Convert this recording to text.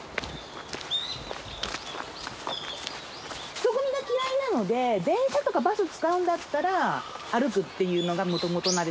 人混みが嫌いなので電車とかバス使うんだったら歩くっていうのがもともとのあれですね。